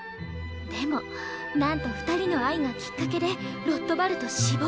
でもなんと二人の愛がきっかけでロットバルト死亡。